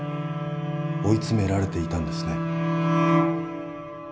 追い詰められていたんですね。